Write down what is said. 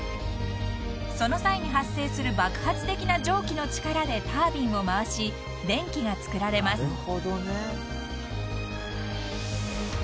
［その際に発生する爆発的な蒸気の力でタービンを回し電気がつくられます］